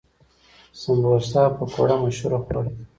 سموسه او پکوړه مشهور خواړه دي.